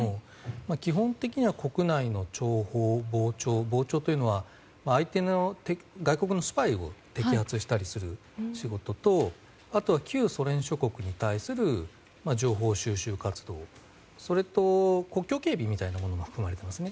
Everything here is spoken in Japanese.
基本的には国内の諜報、防諜防諜というのは相手の外国のスパイを摘発したりする仕事とあとは、旧ソ連諸国に対する情報収集活動それと国境警備も含まれます。